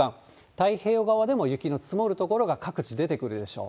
太平洋側でも雪の積もる所が各地出てくるでしょう。